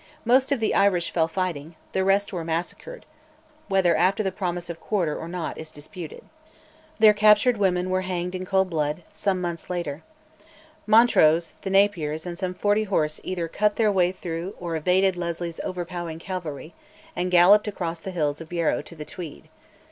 Most of the Irish fell fighting: the rest were massacred, whether after promise of quarter or not is disputed. Their captured women were hanged in cold blood some months later. Montrose, the Napiers, and some forty horse either cut their way through or evaded Leslie's overpowering cavalry, and galloped across the hills of Yarrow to the Tweed.